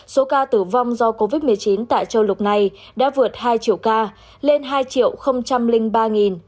số ca tử vong do covid một mươi chín tại châu lục này đã vượt hai triệu ca lên hai ba tám mươi một ca